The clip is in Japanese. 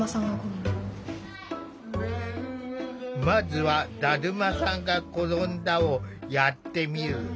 まずは「だるまさんがころんだ」をやってみる。